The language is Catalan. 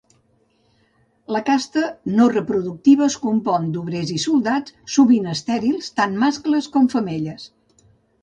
La casta no reproductiva es compon d'obrers i soldats, sovint estèrils, tant mascles com femelles.